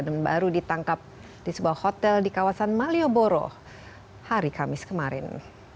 dan baru ditangkap di sebuah hotel di kawasan malioboro hari kamis kemarin